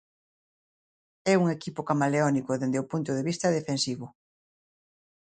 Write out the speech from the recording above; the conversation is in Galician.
É un equipo camaleónico dende o punto de vista defensivo.